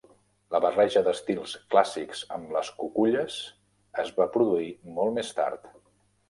La barreja dels estils clàssics amb les cuculles es va produir molt més tard.